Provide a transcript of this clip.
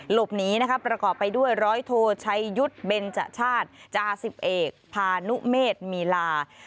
หลบหนีนะคะประกอบไปด้วยร้อยโทชัยยุทธ์เบนจชาติจาสิบเอกพานุเมษมีลา